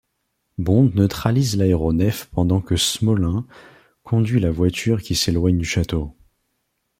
Bond neutralise l'aéronef pendant que Smolin conduit la voiture qui s'éloigne du château.